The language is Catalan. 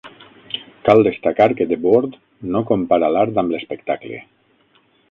Cal destacar que Debord no compara l'art amb l'espectacle.